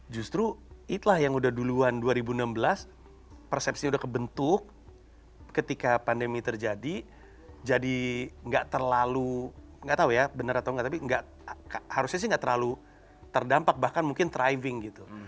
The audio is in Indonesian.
justru itulah yang udah duluan dua ribu enam belas persepsi udah kebentuk ketika pandemi terjadi jadi nggak terlalu nggak tahu ya benar atau enggak tapi harusnya sih nggak terlalu terdampak bahkan mungkin triving gitu